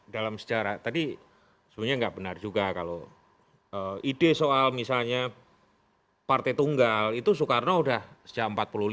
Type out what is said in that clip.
dalam sejarah tadi sebenarnya nggak benar juga kalau ide soal misalnya partai tunggal itu soekarno sudah sejak empat puluh lima